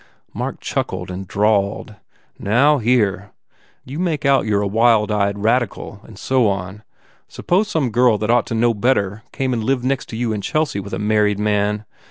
Mark chuckled and drawled, "Now, here ! You make out you re a wild eyed radical and so on. Suppose some girl that ought to know better came and lived next you in Chelsea with a married man.